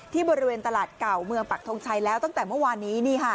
ที่บริเวณตลาดเก่าเมืองปักทงชัยแล้วตั้งแต่เมื่อวานนี้